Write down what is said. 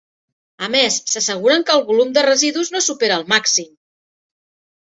A més, s'asseguren que el volum de residus no supera el màxim.